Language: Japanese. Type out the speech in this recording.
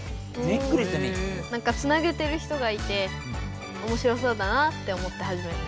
なんかつなげてる人がいておもしろそうだなぁって思って。